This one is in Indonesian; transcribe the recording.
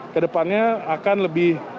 kedepannya akan lebih